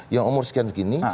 yang umur sekian segini